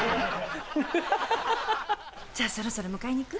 ハハハ！じゃそろそろ迎えに行く？